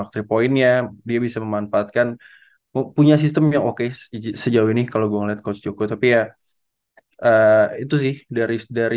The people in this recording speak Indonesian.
tempatkan punya sistem yang oke sejauh ini kalau gua ngeliat coach joko tapi ya itu sih dari dari